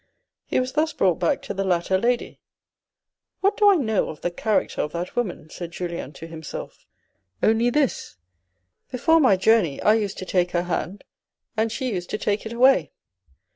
He was thus brought back to the latter lady. " What do I know of the character of that woman ?" said Julien to himself. " Only this : before my journey, I used to take her hand, and she used to take it away.